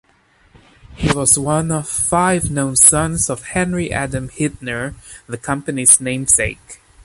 He was one of five known sons of Henry Adam Hitner, the company's namesake.